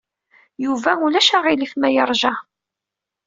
Yuba ulac aɣilif ma yeṛja.